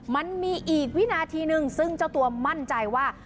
มันมีอีกวินาทีหนึ่งซึ่งเจ้าตัวมั่นใจว่า